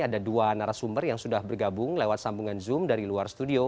ada dua narasumber yang sudah bergabung lewat sambungan zoom dari luar studio